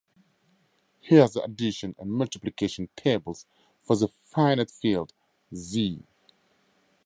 Here are the addition and multiplication tables for the finite field Z.